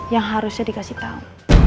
yang harusnya dikasih tahu